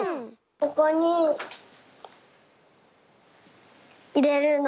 ここにいれるの。